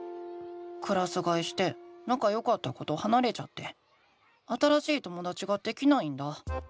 クラスがえしてなかよかった子とはなれちゃって新しいともだちができないんだ。